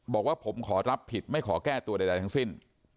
บอกว่าผมขอรับผิดไม่ขอแก้ตัวใดทั้งสิ้น